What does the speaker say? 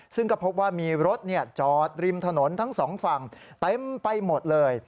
ซึ่งก็พบว่ามีรถจอดริมถนนทั้งสองฝั่งเต็มไปหมดเลย